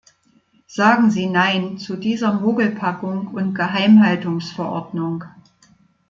Sagen Sie Nein zu dieser Mogelpackung und Geheimhaltungsverordnung!